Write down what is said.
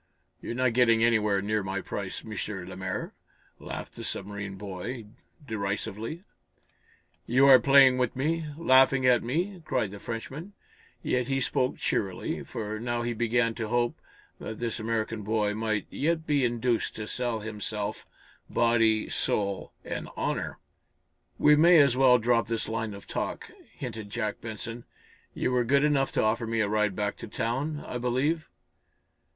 "You're not getting anywhere near my price, M. lemaire," laughed the submarine boy, derisively. "You are playing with me laughing at me!" cried the Frenchman, yet he spoke cheerily, for now he began to hope that this American boy might yet be induced to sell himself, body, soul and honor. "We may as well drop this line of talk," hinted Jack Benson. "You were good enough to offer me a ride back to town, I believe?"